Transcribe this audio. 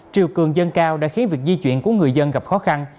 triều cường dân cao đã khiến việc di chuyển của người dân gặp khó khăn